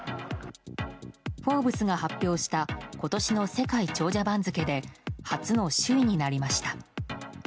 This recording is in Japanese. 「フォーブス」が発表した今年の世界長者番付で初の首位になりました。